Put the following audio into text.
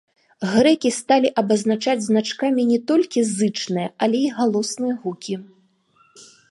Грэкі сталі абазначаць значкамі не толькі зычныя, але і галосныя гукі.